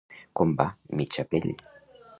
Com va? Mitja pell.